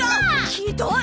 ひどい！